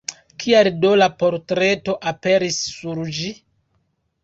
Kial do la portreto aperis sur ĝi?